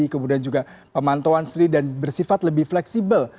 kemudian juga pemantauan sri dan bersifat lebih fleksibel